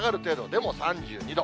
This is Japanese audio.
でも３２度。